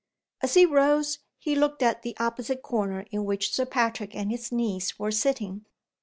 As he rose, he looked at the opposite corner in which Sir Patrick and his niece were sitting.